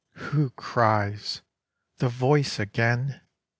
Who cries!—The voice again!